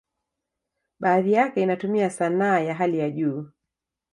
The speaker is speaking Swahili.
Baadhi yake inatumia sanaa ya hali ya juu.